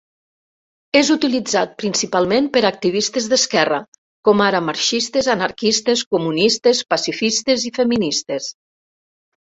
És utilitzat principalment per activistes d'esquerra, com ara: marxistes, anarquistes, comunistes, pacifistes i feministes.